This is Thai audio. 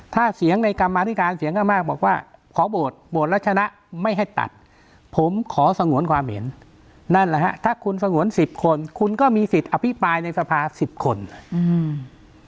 ถ้าเสียงในกรรมาธิการเสียงข้างมากบอกว่าขอโหวตโหวตแล้วชนะไม่ให้ตัดผมขอสงวนความเห็นนั่นแหละฮะถ้าคุณสงวนสิบคนคุณก็มีสิทธิ์อภิปรายในสภาสิบคนอืม